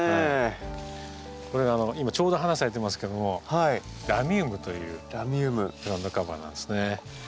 これが今ちょうど花咲いていますけども「ラミウム」というグラウンドカバーなんですね。